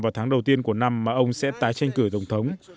vào tháng đầu tiên của năm mà ông sẽ tái tranh cử tổng thống